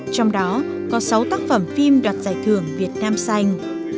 trong đó có sáu tác phẩm phim đoạt giải thưởng việt nam xanh